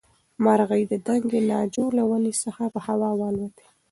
مرغۍ د دنګې ناجو له ونې څخه په هوا والوتې.